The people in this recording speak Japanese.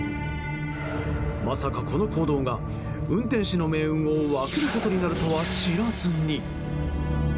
まさか、この行動が運転手の命運を分けることになるとは知らずに。